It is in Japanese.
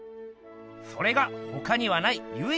それがほかにはないゆい